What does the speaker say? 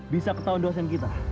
bisa ketahuan dosen kita